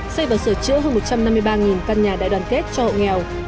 xây và sửa chữa hơn một trăm năm mươi ba căn nhà đại đoàn kết cho hộ nghèo